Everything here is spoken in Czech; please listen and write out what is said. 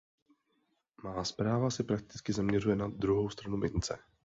Má zpráva se prakticky zaměřuje na druhou stranu mince.